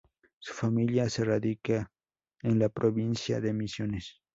Su familia se radica en la Provincia de Misiones.